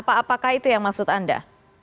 apakah itu yang maksud anda